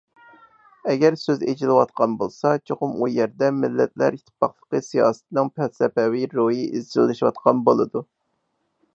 ئەگەر سۆز ئېچىلىۋاتقان بولسا، چوقۇم ئۇ يەردە «مىللەتلەر ئىتتىپاقلىقى» سىياسىتىنىڭ «پەلسەپىۋى» روھى ئىزچىللىشىۋاتقان بولىدۇ.